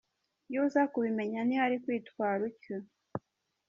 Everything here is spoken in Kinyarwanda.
Iyo uza kubimenya ntiwari kwitwara utyo.